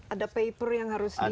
ada paper yang harus di